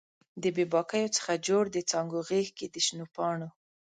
د بې باکیو څخه جوړ د څانګو غیږ کې د شنو پاڼو